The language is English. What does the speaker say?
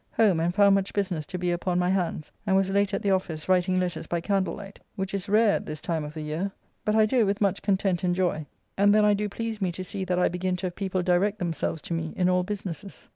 Home and found much business to be upon my hands, and was late at the office writing letters by candle light, which is rare at this time of the year, but I do it with much content and joy, and then I do please me to see that I begin to have people direct themselves to me in all businesses.